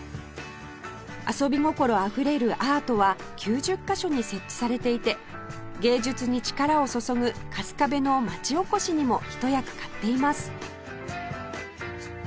遊び心あふれるアートは９０カ所に設置されていて芸術に力を注ぐ春日部の町おこしにもひと役買っています